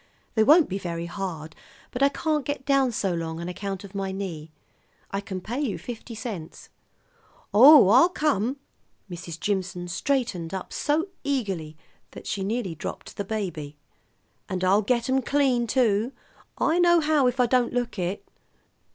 They won't be very hard, but I can't get down so long on account of my knee. I can pay you fifty cents." "Oh, I'll come." Mrs. Jimson straightened up so eagerly that she nearly dropped the baby. "And I'll get 'em clean, too. I know how if I don't look it."